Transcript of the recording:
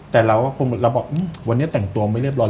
แต่เราบอกวันนี้แต่งตัวไม่เรียบร้อย